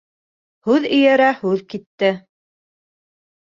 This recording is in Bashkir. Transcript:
Һүҙ эйәрә һүҙ китте.